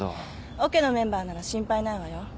オケのメンバーなら心配ないわよ。